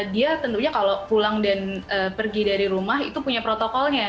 dia tentunya kalau pulang dan pergi dari rumah itu punya protokolnya